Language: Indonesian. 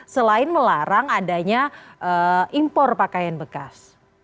selain melarang adanya impor pakaian bekas